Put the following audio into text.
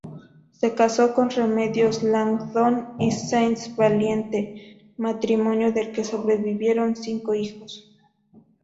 Se casó con Remedios Langdon y Saenz Valiente, matrimonio del que sobrevivieron cinco hijos.